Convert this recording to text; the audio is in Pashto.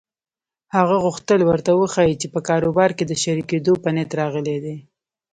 هغه غوښتل ورته وښيي چې په کاروبار کې د شريکېدو په نيت راغلی دی.